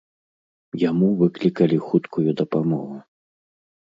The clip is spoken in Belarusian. Яму выклікалі хуткую дапамогу.